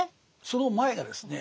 その前がですね